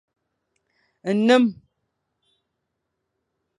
Nnem.